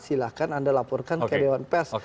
silakan anda laporkan ke dewan pes